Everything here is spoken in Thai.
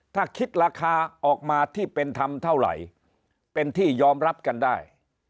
ถ้าคิดราคาออกมาที่เป็นธรรมเท่าไหร่เป็นที่ยอมรับกันได้